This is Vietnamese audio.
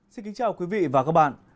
xin kính chào quý vị và các bạn